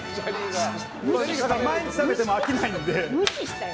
毎日食べても飽きないんで。